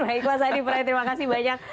baik mas adi prai terima kasih banyak